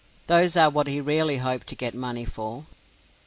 Those are what he really hoped to get money for.